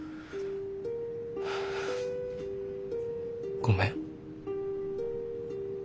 ごめん。